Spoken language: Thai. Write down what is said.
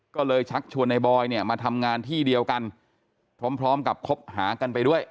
ก็เลยชักชวนในบอยเนี่ยมาทำงานที่เดียวกันพร้อมกับคบหากันไปด้วย